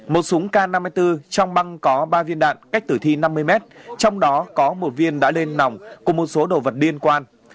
một súng k năm mươi bốn trong băng có ba viên đạn cách tử thi năm mươi mét trong đó có một viên đã lên nòng cùng một số đồ vật liên quan